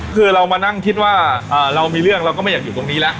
คือเรามานั่งคิดว่าเรามีเรื่องเราก็ไม่อยากอยู่ตรงนี้แล้ว